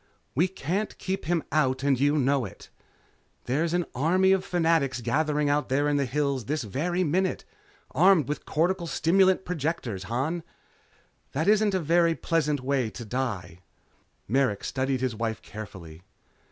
"We can't keep him out and you know it. There's an army of Fanatics gathering out there in the hills this very minute. Armed with cortical stimulant projectors, Han. That isn't a pleasant way to die " Merrick studied his wife carefully.